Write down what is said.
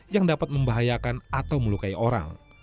yang dapat membahayakan atau melukai orang